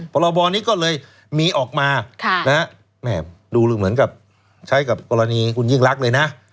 ของอบอนี้ก็เลยมีออกมาข้างแล้วแฮมดูเหมือนกับใช้กับกรณีคุณยิ่งรักเลยนะ